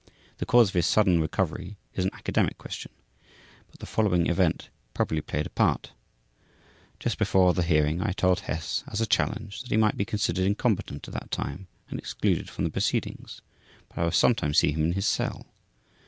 The cause of his sudden recovery is an academic question, but the following event probably played a part: Just before the hearing I told Hess (as a challenge) that he might be considered incompetent at that time and excluded from the proceedings, but I would sometimes see him in his cell.